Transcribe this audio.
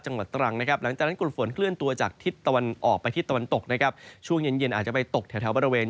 ช่วงเย็นอาจจะไปตกแถวบริเวง